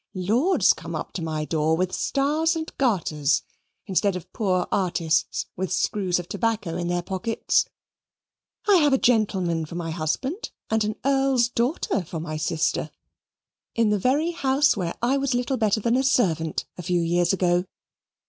Lords come up to my door with stars and garters, instead of poor artists with screws of tobacco in their pockets. I have a gentleman for my husband, and an Earl's daughter for my sister, in the very house where I was little better than a servant a few years ago.